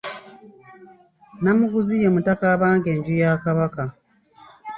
Namuguzi ye mutaka abanga enju ya Kabaka.